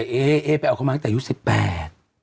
เอ๊ไปข้อมาตั้งแต่๑๘